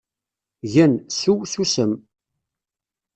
Gen, seww, susem.